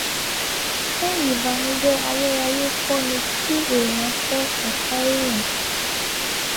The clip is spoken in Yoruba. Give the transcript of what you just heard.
Ṣẹ ìbànújẹ́ ayérayé kọ́ ni kí èèyàn fẹ́ ọ̀tá èèyàn.